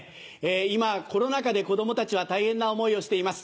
今コロナ禍で子供たちは大変な思いをしています。